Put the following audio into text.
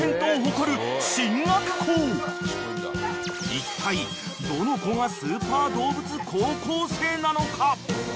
［いったいどの子がスーパーどうぶつ高校生なのか？］